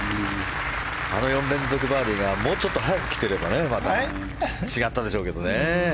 あの４連続バーディーがもうちょっと早く来ていればまた違ったでしょうけどね。